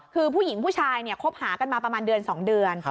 คือผู้หญิงผู้ชายเนี่ยคบหากันมาประมาณเดือน๒เดือน